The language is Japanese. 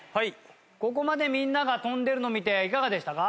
ここまでみんなが跳んでるのを見ていかがでしたか？